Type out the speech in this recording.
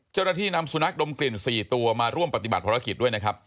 เจ้าหน้าที่นำสุนัขดมกลิ่น๔ตัวมาร่วมปฏิบัติภารกิจด้วยนะครับ